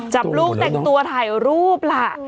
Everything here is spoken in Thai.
จับลูกแต่งตัวถ่ายรูปล่ะ